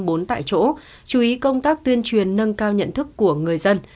bốn tại chỗ chú ý công tác tuyên truyền nâng cao nhận thức của người dân